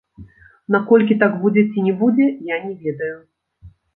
Наколькі так будзе ці не будзе, я не ведаю.